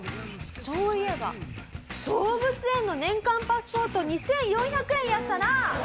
そういえば動物園の年間パスポート２４００円やったな！